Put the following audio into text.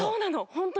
ホントに。